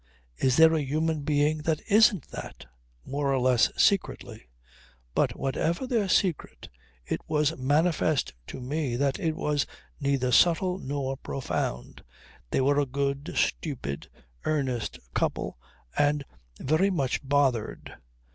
Is there a human being that isn't that more or less secretly? But whatever their secret, it was manifest to me that it was neither subtle nor profound. They were a good, stupid, earnest couple and very much bothered.